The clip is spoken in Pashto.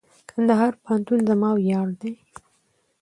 کندهار پوهنتون زما ویاړ دئ.